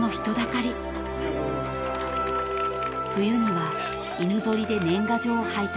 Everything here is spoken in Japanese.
［冬には犬ぞりで年賀状を配達］